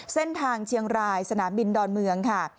เส้นทางเชียงรายสนามบินดอนเมืองค่ะ